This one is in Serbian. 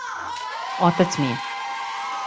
Отац ми је.